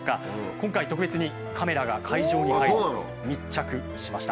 今回特別にカメラが会場に入り密着しました。